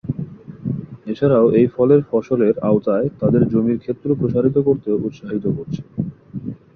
এছাড়াও এই ফলের ফসলের আওতায় তাদের জমির ক্ষেত্র প্রসারিত করতেও উৎসাহিত করছে।